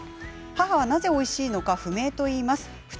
母はなぜおいしいのか不明といいます。